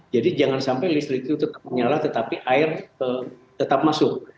jadi jangan sampai listrik itu tetap menyala tetapi air tetap masuk